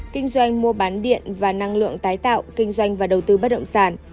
kinh doanh mua bán điện và năng lượng tái tạo kinh doanh và đầu tư bất động sản